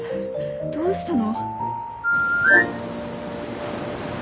どうしたの？